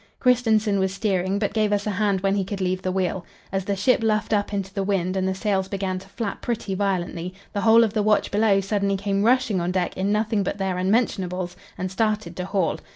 Kristensen was steering, but gave us a hand when he could leave the wheel. As the ship luffed up into the wind and the sails began to flap pretty violently, the whole of the watch below suddenly came rushing on deck in nothing but their unmentionables and started to haul.